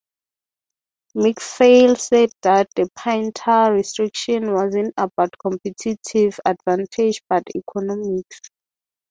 MacPhail said that the pine tar restriction wasn't about competitive advantage, but economics.